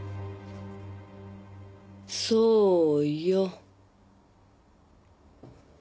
そうよ。